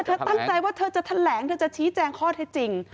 ทำให้ตั้งใจว่าเธอจะแถลงจะชี้แจงข้อให้จริง